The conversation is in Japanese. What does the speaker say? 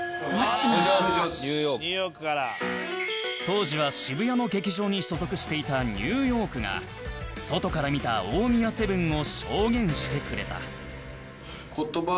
当時は渋谷の劇場に所属していたニューヨークが外から見た大宮セブンを証言してくれた